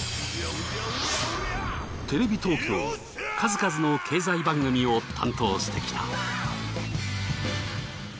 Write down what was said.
テレビ東京の数々の経済番組を担当してきた。